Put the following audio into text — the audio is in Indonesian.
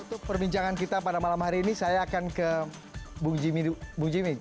untuk perbincangan kita pada malam hari ini saya akan ke bung jimmy